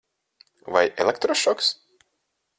Vai elektrošoks?